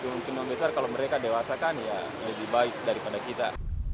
kemungkinan besar kalau mereka dewasa kan ya lebih baik daripada kita